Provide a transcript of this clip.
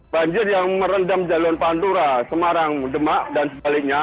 banjir yang merendam jalur pantura semarang demak dan sebaliknya